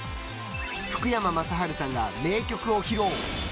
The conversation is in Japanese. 福山雅治さんが名曲を披露。